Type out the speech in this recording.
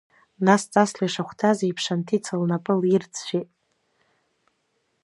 Нас ҵасла ишахәҭаз еиԥш Анҭица лнапы лирӡәӡәеит.